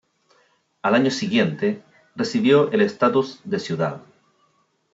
Al año siguiente, recibió el estatus de ciudad.